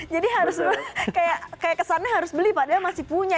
harus kayak kesannya harus beli padahal masih punya